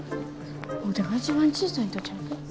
ワテが一番小さいんとちゃうか？